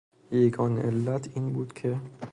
یگانه علت این بود که...